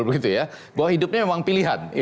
bahwa hidupnya memang pilihan